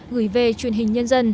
gửi về truyền hình nhân dân